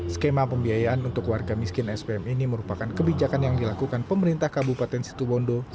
skema pembiayaan untuk warga miskin spm ini merupakan kebijakan yang dilakukan pemerintah kabupaten situwondo sejak tahun dua ribu lima belas